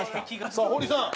さあ堀さん。